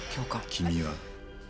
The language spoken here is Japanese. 「君は」